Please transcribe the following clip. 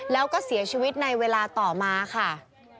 แล้วก็เสียชีวิตในเวลาต่อมาค่ะ